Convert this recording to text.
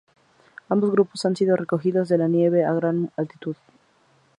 Ambos grupos han sido recogidos de la nieve y a gran altitud.